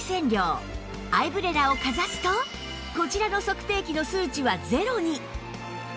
アイブレラをかざすとこちらの測定値の数値はゼロに